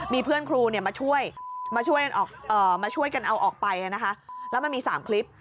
มีเพื่อนครูมาช่วยมาช่วยกันเอาออกไปนะคะแล้วมันมี๓คลิป